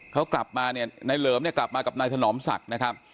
เขากลับมาเนี่ยนายเหลิมเนี่ยกลับมากับนายถนอมศักดิ์นะครับ